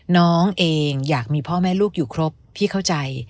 น้องเองอยากมีพ่อแม่ลูกอยู่ครบพี่เข้าใจ